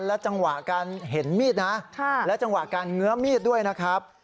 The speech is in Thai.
และจังหวะการเห็นมีดนะและจังหวะการเงื้อมีดด้วยนะครับ